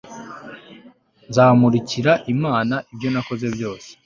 nzamurikira imana ibyo nakoze byose